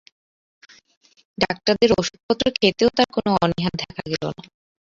ডাক্তারদের অষুধপত্র খেতেও তার কোনো অনীহা দেখা গেল না।